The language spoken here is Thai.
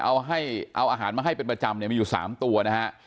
เอาอาหารมาให้เป็นประจำมีอยู่๓ตัวนะฮะ